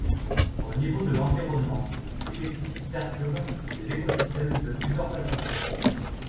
Au niveau de l’environnement, les pesticides perturbent les écosystèmes de plusieurs façons.